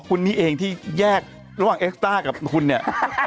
อ๋อคุณนี่เองที่แยกระหว่างเอ็กซ์ตาร์กับคุณเนี่ย